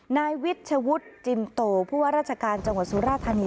นายวิชวุฒิจินโตผู้ว่าราชการจังหวัดสุราธานี